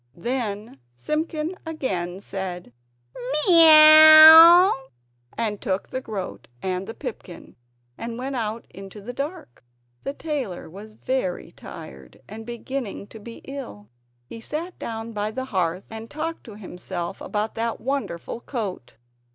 Then Simpkin again said "Miaw!" and took the groat and the pipkin, and went out into the dark. The tailor was very tired and beginning to be ill. He sat down by the hearth and talked to himself about that wonderful coat.